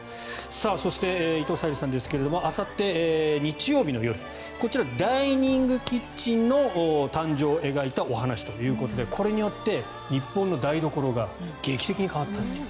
そして、伊藤沙莉さんですがあさって日曜日の夜こちらダイニングキッチンの誕生を描いたお話ということでこれによって日本の台所が劇的に変わったという。